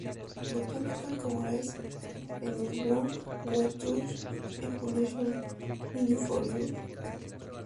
Botanical Congress in Melbourne: What does e-publication mean for you?